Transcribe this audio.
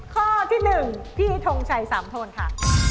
เป็นข้อที่หนึ่งพี่ทงชัยสามโทนค่ะ